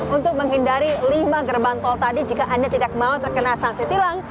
untuk menghindari lima gerbang tol tadi jika anda tidak mau terkena sanksi tilang